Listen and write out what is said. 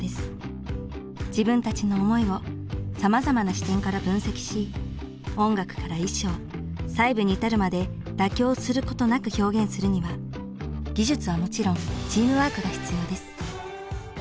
自分たちの思いをさまざまな視点から分析し音楽から衣装細部に至るまで妥協することなく表現するには技術はもちろんチームワークが必要です。